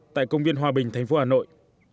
tại công viên hòa bình thành phố hà nội